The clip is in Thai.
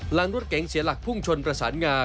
หลังรถเก๋งเสียหลักพุ่งชนประสานงา